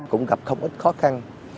cũng gặp không ít khó khăn